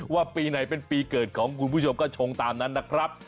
ว่าปีไหนเป็นปีเกิดของคุณผู้ชมก็ชงตามนั้นนะครับ